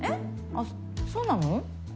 あっそうなの？